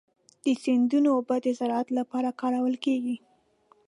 د سیندونو اوبه د زراعت لپاره کارول کېږي.